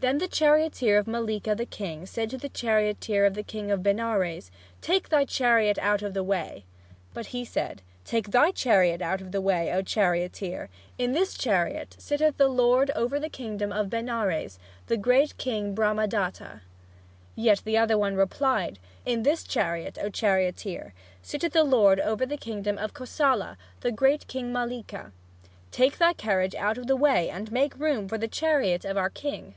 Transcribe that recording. Then the charioteer of Mallika the king said to the charioteer of the king of Benares, "Take thy chariot out of the way!" But he said, "Take thy chariot out of the way, O charioteer! In this chariot sitteth the lord over the kingdom of Benares, the great king Brahma datta." Yet the other replied, "In this chariot, O charioteer, sitteth the lord over the kingdom of Kosala, the great king Mallika. Take thy carriage out of the way, and make room for the chariot of our king!"